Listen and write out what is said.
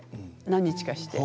何日かして。